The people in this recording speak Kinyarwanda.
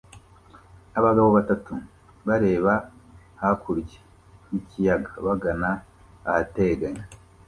Abagabo batatu bareba hakurya y'ikiyaga bagana ahateganye